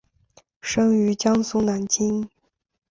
生于江苏南京。